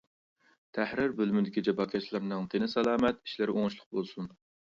تەھرىر بۆلۈمىدىكى جاپاكەشلەرنىڭ تېنى سالامەت، ئىشلىرى ئوڭۇشلۇق بولسۇن!